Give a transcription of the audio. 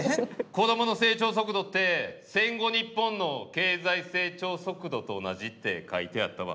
子どもの成長速度って戦後日本の経済成長速度と同じって書いてあったわ。